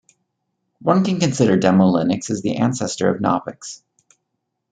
One can consider DemoLinux as the ancestor of Knoppix.